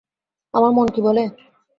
আমার মন কী বলে?